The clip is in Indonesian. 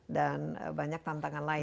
dan banyak tantangan lain